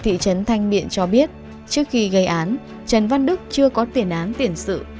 thị trấn thanh miện cho biết trước khi gây án trần văn đức chưa có tiền án tiền sự